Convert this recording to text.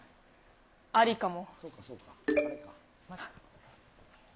ありかも。